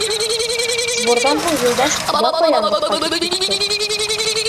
Сборҙан һуң Юлдаш япа-яңғыҙ ҡайтып китте.